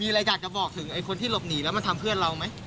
มีอะไรอยากจะบอกถึงไอ้คนที่หลบหนีแล้วมาทำเพื่อนเราไหม